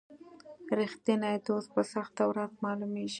رښتینی دوست په سخته ورځ معلومیږي.